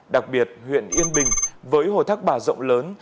đặc biệt huyện yên bình với hồ thác bà rộng lớn